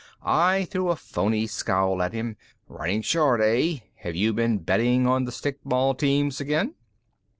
I threw a phony scowl at him. "Running short, eh? Have you been betting on the stickball teams again?"